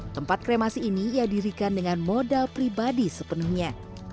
tempat kremasi ini diadirikan dengan modal pribadi sepenuhnya